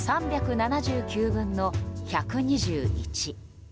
３７９分の１２１。